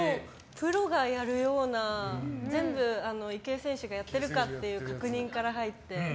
プロがやるような全部、池江選手がやってるかっていう確認から入って。